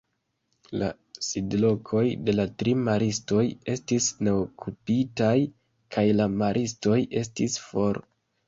La sidlokoj de la tri maristoj estis neokupitaj kaj la maristoj estis for.